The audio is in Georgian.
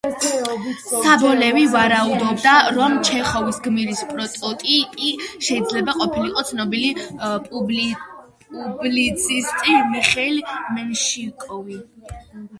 სობოლევი ვარაუდობდა, რომ ჩეხოვის გმირის პროტოტიპი შეიძლება ყოფილიყო ცნობილი პუბლიცისტი მიხეილ მენშიკოვი.